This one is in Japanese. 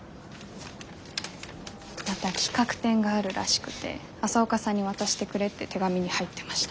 また企画展があるらしくて朝岡さんに渡してくれって手紙に入ってました。